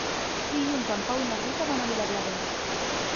Dilluns en Pau i na Rita van a Vilablareix.